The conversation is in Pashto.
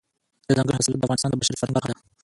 دځنګل حاصلات د افغانستان د بشري فرهنګ برخه ده.